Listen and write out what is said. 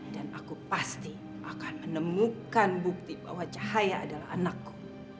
dan aku pasti akan menemukan bukti bahwa cahaya adalah anakku